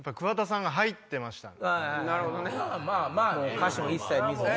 歌詞も一切見ずに。